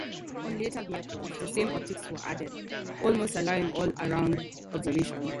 On later vehicles, the same optics were added, almost allowing all-around observation.